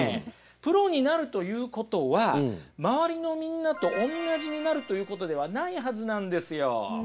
プロになるということは周りのみんなとおんなじになるということではないはずなんですよ。